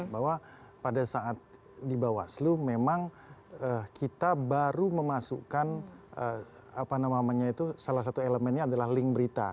bahwa pada saat di bawaslu memang kita baru memasukkan salah satu elemennya adalah link berita